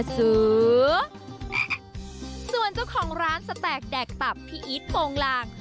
ส่วนเจ้าของร้านสแตกแดกตับพี่อีทโปรงลาง